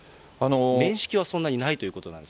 面識はそんなにないということなんです。